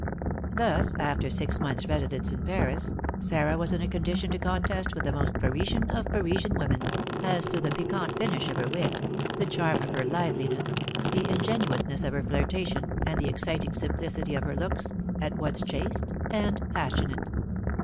Thus, after six months' residence in Paris, Sarah was in a condition to contest with the most Parisian of Parisian women, as to the piquant finish of her wit, the charm of her liveliness, the ingenuousness of her flirtation, and the exciting simplicity of her looks, at once chaste and passionate.